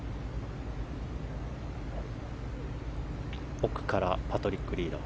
奥からパトリック・リード。